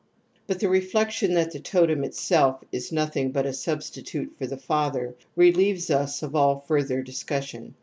But the reflection that the totem itself is nothing but a substitute for the father relieves us of all further discus sion.